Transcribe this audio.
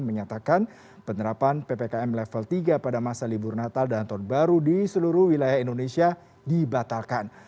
menyatakan penerapan ppkm level tiga pada masa libur natal dan tahun baru di seluruh wilayah indonesia dibatalkan